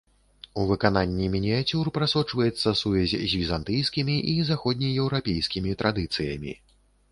У выкананні мініяцюр прасочваецца сувязь з візантыйскімі і заходнееўрапейскімі традыцыямі.